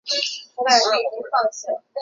再不走就来不及了